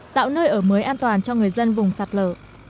tạo nơi ở mới an toàn cho người dân vùng sạt lở